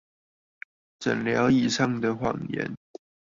診療椅上的謊言